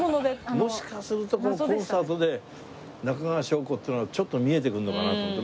もしかするとこのコンサートで中川翔子っていうのがちょっと見えてくるのかなと思って。